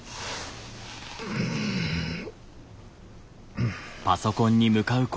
うん。